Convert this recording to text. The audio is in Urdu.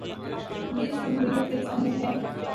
یہ اس جمہوریت کا ایک ثمر ہے۔